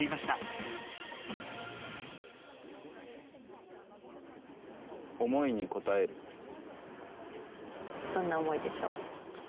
どんな思いでしょう。